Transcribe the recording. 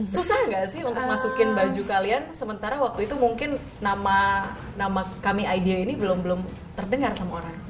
susah nggak sih untuk masukin baju kalian sementara waktu itu mungkin nama kami idea ini belum belum terdengar sama orang